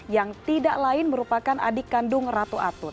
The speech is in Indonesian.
yang tidak lain merupakan adik kandung ratu atut